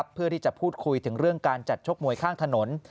เพื่อที่จะพูดคุยถึงเรื่องการจัดชกมวยข้างถนน